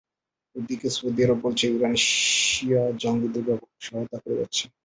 ওদিকে Saudi Arabia বলেছে, Iran শিয়া জঙ্গিদের ব্যাপক সহায়তা করে যাচ্ছে।